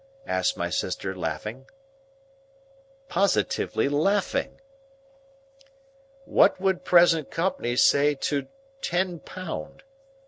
asked my sister, laughing. Positively laughing! "What would present company say to ten pound?"